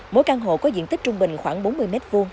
mỗi căn hộ có diện tích trung bình khoảng bốn mươi m hai